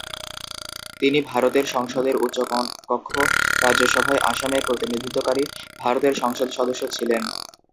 তিনি ভারতের সংসদের উচ্চকক্ষ রাজ্যসভায় আসামের প্রতিনিধিত্বকারী ভারতের সংসদ সদস্য ছিলেন।